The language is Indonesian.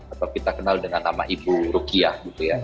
atau kita kenal dengan nama ibu rukiah